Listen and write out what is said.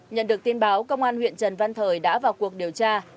nhận được tin báo công an huyện trần văn thời đã vào cuộc điều tra